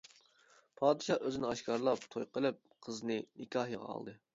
پادىشاھ ئۆزىنى ئاشكارىلاپ، توي قىلىپ، قىزنى نىكاھىغا ئالدى.